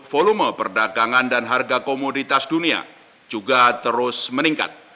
volume perdagangan dan harga komoditas dunia juga terus meningkat